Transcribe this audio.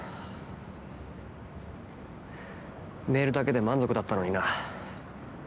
メールだけで満足だったのにな。